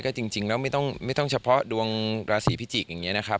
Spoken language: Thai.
จริงแล้วไม่ต้องเฉพาะดวงราศีพิจิกษ์อย่างนี้นะครับ